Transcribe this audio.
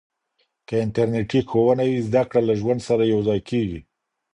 که انټرنېټي ښوونه وي، زده کړه له ژوند سره یوځای کېږي.